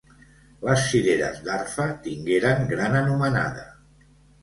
Les cireres d'Arfa tingueren gran anomenada.